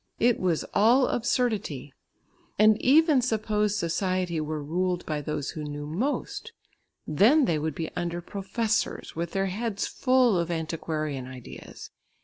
It was all absurdity! And even suppose society were ruled by those who knew most. Then they would be under professors with their heads full of antiquarian ideas.